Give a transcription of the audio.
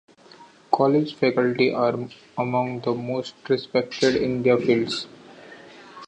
College faculty are among the most respected in their fields.